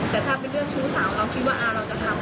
แต่ถ้าเป็นเรื่องชู้สาวคิดว่าอาเราจะทำไหมครับ